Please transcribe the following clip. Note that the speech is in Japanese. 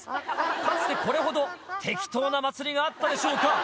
かつてこれほど適当な祭りがあったでしょうか？